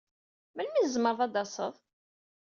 Melmi ay tzemreḍ ad d-taseḍ?